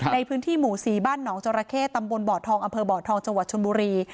ในพื้นที่หมู่๔บ้านหนองจราเข้ตำบลบ่อทองอำเภอบ่อทองจังหวัดชนบุรี